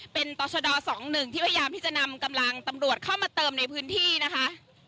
เป็นต่อชะดอ๒๑ที่พยายามที่จะนำกำลังตำรวจเข้ามาเติมในพื้นที่นะคะ